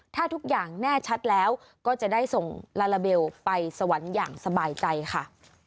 ถ้าทุกอย่างแน่ชัดแล้วก็จะได้ส่งลาลาเบลไปสวรรค์อย่างสบายใจค่ะ